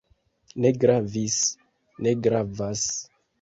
Ne gravis. Ne gravas.